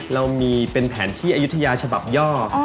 เรามีเป็นแผนที่อายุทยาฉบับย่อ